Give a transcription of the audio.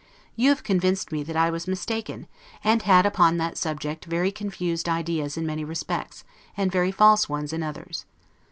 You have convinced me that I was mistaken, and had upon that subject very confused ideas in many respects, and very false ones in others.